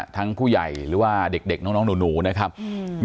ผู้ใหญ่หรือว่าเด็กเด็กน้องน้องหนูนะครับอืม